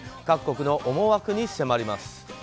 各国の思惑に迫ります。